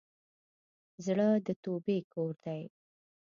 زړه د توبې کور دی.